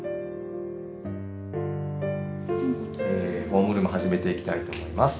ホームルーム始めていきたいと思います。